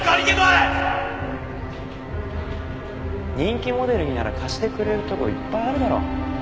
人気モデルになら貸してくれるとこいっぱいあるだろ。